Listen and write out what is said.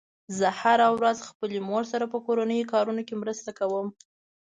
زه هره ورځ خپلې مور سره په کورنیو کارونو کې مرسته کوم